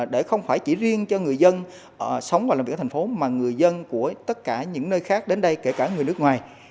để không phải chỉ riêng cho người dân sống và làm việc ở thành phố mà người dân của tất cả những nơi khác đến đây kể cả người nước ngoài